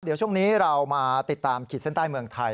เดี๋ยวช่วงนี้เรามาติดตามขีดเส้นใต้เมืองไทย